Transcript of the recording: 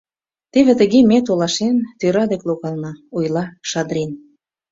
— Теве тыге ме, толашен, тӧра дек логална, — ойла Шадрин.